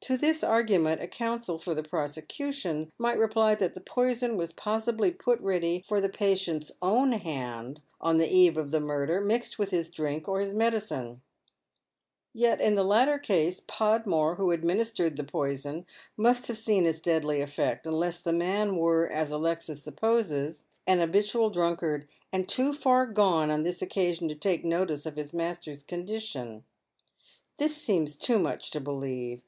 To this argument a counsel for the prosecution might reply that the poison was possibly put ready tor the patient's own hand, on the eve of the murder, mixed with his drink or his medicine. Yet in the latter case, Podmore, who administered the poison, must have seen its deadly e£Eect i unless the man were, as Alesif 348 JJead Men's Shoes. supposes, an habitual drunkard, and too far gone on this occasion to take notice of his master'^ condition. This seems too much to believe.